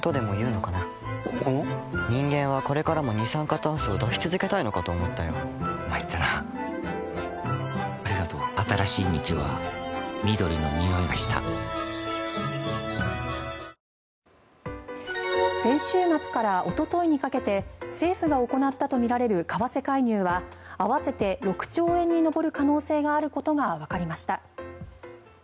肝に銘じたいと思いますしあと、秋のキノコと春の山菜先週末からおとといにかけて政府が行ったとみられる為替介入は合わせて６兆円に上る可能性があることがわかりました。